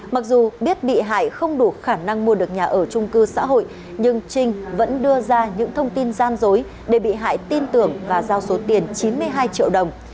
mặc dù biết bị hại không đủ khả năng mua được nhà ở trung cư xã hội nhưng trinh vẫn đưa ra những thông tin gian dối để bị hại tin tưởng và giao số tiền chín mươi hai triệu đồng